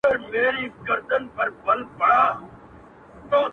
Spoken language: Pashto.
هغه ياغي شاعر غزل وايي ټپه نه کوي!!